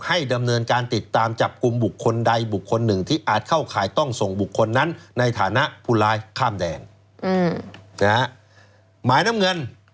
ดำเนินการติดตามจับกลุ่มบุคคลใดบุคคลหนึ่งที่อาจเข้าข่ายต้องส่งบุคคลนั้นในฐานะผู้ร้ายข้ามแดนหมายน้ำเงิน